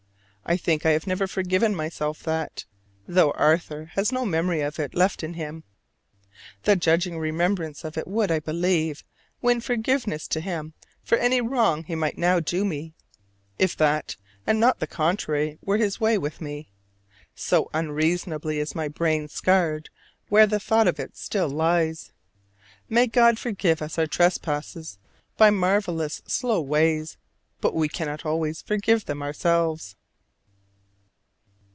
I think I have never forgiven myself that, though Arthur has no memory of it left in him: the judging remembrance of it would, I believe, win forgiveness to him for any wrong he might now do me, if that and not the contrary were his way with me: so unreasonably is my brain scarred where the thought of it still lies. God may forgive us our trespasses by marvelous slow ways; but we cannot always forgive them ourselves.